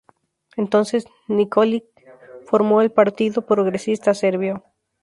Entonces, Nikolić formó el Partido Progresista Serbio.